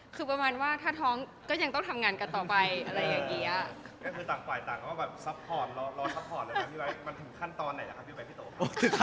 คือประมาณว่าถ้าท้องก็ยังต้องทำงานกันต่อไปอะไรอย่างนี้อะ